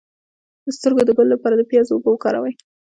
د سترګو د ګل لپاره د پیاز اوبه وکاروئ